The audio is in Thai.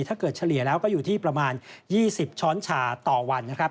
เฉลี่ยแล้วก็อยู่ที่ประมาณ๒๐ช้อนชาต่อวันนะครับ